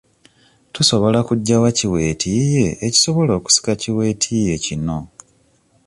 Tusobola kuggya wa ki weetiiye ekisobola okusika ki weetiiye kino?